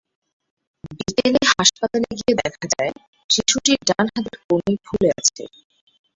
বিকেলে হাসপাতালে গিয়ে দেখা যায়, শিশুটির ডান হাতের কনুই ফুলে আছে।